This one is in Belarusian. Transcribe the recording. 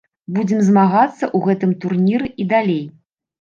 Будзем змагацца ў гэтым турніры і далей.